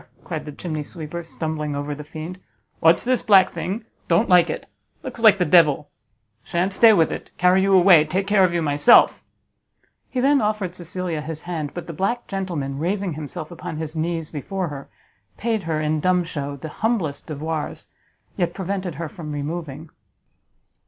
cried the chimney sweeper, stumbling over the fiend, "what's this black thing? Don't like it; looks like the devil. You shan't stay with it; carry you away; take care of you myself." He then offered Cecilia his hand; but the black gentleman, raising himself upon his knees before her, paid her, in dumb shew, the humblest devoirs, yet prevented her from removing.